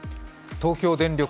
東京電力